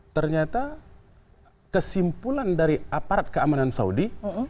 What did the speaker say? ternyata kesimpulan dari aparat keamanan saudi